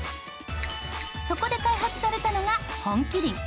そこで開発されたのが本麒麟。